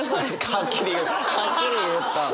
はっきり言った！